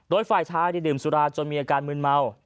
โดยไฟล์ท้ายลีมสุราจนมีอาการมึนเม่า